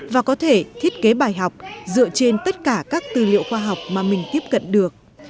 và có thể thiết kế bài học dựa trên tất cả các tư liệu khoa học mà mình tiếp cận được